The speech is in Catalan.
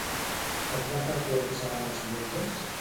Com de freqüents seran els viatges?